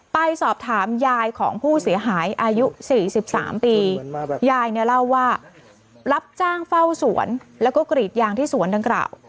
ไปสอบถามยายของผู้เสียหายอายุ๔๓ปียายเนี่ยเล่าว่ารับจ้างเฝ้าสวนแล้วก็กรีดยางที่สวนดังกล่าว